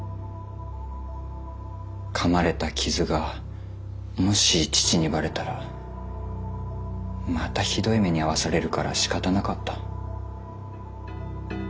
かまれた傷がもし父にバレたらまたひどい目に遭わされるからしかたなかった。